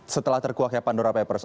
setelah terkuaknya pandora papers